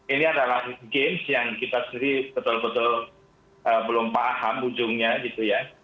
ini adalah games yang kita sendiri betul betul belum paham ujungnya gitu ya